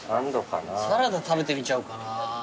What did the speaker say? サラダ食べてみちゃおうかな。